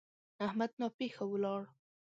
احمد ناپېښه ولاړ.